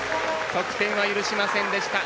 得点は許しませんでした。